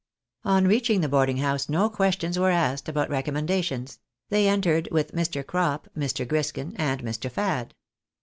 265 On reaching the boarding house no questions were asked about recommendations ; they entered with Mr. Crop, Mr. Griskin, and Mr. Fad.